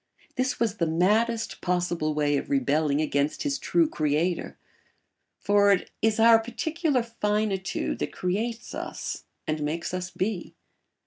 This was the maddest possible way of rebelling against his true creator; for it is our particular finitude that creates us and makes us be.